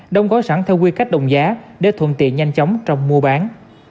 đông gói sẵn theo quy cách đồng giá để thuận tiện nhanh chóng trong mua bán